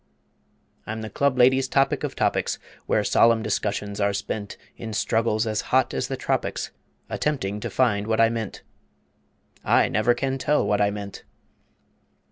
I'm the club ladies' Topic of Topics, Where solemn discussions are spent In struggles as hot as the tropics, Attempting to find what I meant. (I never can tell what I meant!)